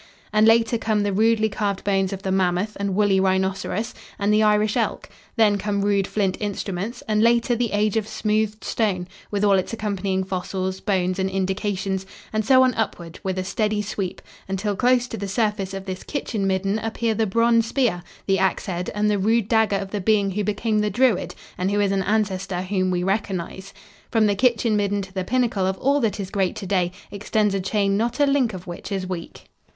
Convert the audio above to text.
And later come the rudely carved bones of the mammoth and woolly rhinoceros and the Irish elk; then come rude flint instruments, and later the age of smoothed stone, with all its accompanying fossils, bones and indications; and so on upward, with a steady sweep, until close to the surface of this kitchen midden appear the bronze spear, the axhead and the rude dagger of the being who became the Druid and who is an ancestor whom we recognize. From the kitchen midden to the pinnacle of all that is great to day extends a chain not a link of which is weak.